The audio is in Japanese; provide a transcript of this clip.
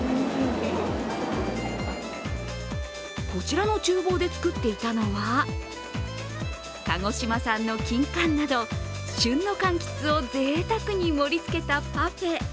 こちらのちゅう房で作っていたのは鹿児島産のきんかんなど旬のかんきつを贅沢に盛り付けたパフェ。